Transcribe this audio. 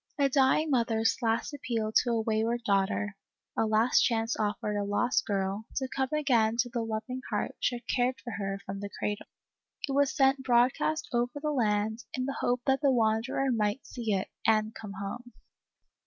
A dying mother's last appeal to a wayward daughter, a last chance offered a lost girl, to come again to the loving heart which had cared for her from the cradle, it was sent broadcast over the land, in the hope that the wanderer might see it, and come home.